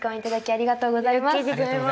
ありがとうございます。